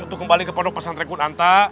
untuk kembali ke podok pesantren kunanta